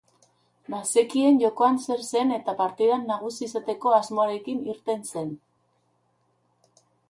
Bazekien jokoan zer zen eta partidan nagusi izateko asmoarekin irten zen.